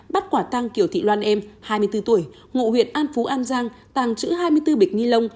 bắt quả tăng kiểu thị loan em hai mươi bốn tuổi ngụ huyện an phú an giang tăng chữ hai mươi bốn bịch nghi lông